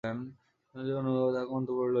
যদি অনুমতি কর তাঁহাকে অন্তঃপুরে লইয়া আসি।